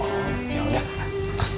oh ya udah